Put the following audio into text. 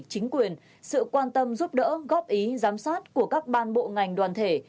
chính quyền sự quan tâm giúp đỡ góp ý giám sát của các ban bộ ngành đoàn thể